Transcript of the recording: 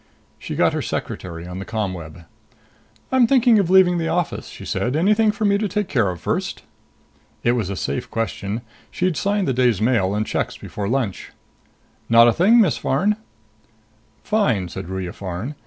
She got her secretary on the ComWeb. "I'm thinking of leaving the office," she said. "Anything for me to take care of first?" It was a safe question. She'd signed the day's mail and checks before lunch. "Not a thing, Miss Farn." "Fine," said Ruya Farn.